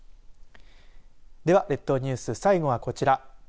では列島ニュース最後はこちら。